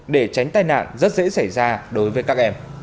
để tránh tai nạn rất dễ xảy ra đối với các em